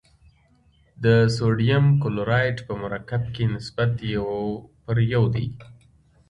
د سوډیم کلورایډ په مرکب کې نسبت یو پر یو دی.